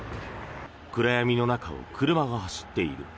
暗闇の中を車が走っている。